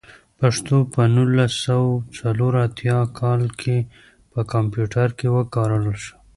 پښتو په نولس سوه څلور اتيايم کال کې په کمپيوټر کې وکارول شوه.